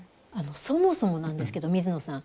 そもそもなんですけど水野さん。